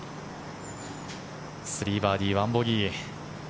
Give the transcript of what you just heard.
３バーディー、１ボギー。